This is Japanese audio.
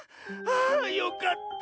あよかった。